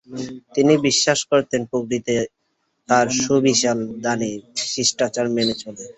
তিনি বিশ্বাস করতেন প্রকৃতি তার সুবিশাল দানে শিষ্টাচার মেনে চলে।